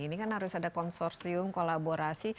ini kan harus ada konsorsium kolaborasi